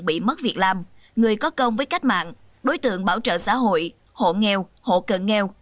bị mất việc làm người có công với cách mạng đối tượng bảo trợ xã hội hộ nghèo hộ cần nghèo